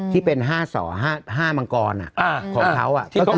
ที่เป็น๕๒๕มังกรของเขา